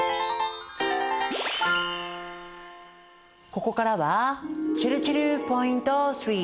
ここからはちぇるちぇるポイント３。